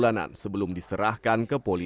iya berusaha kabur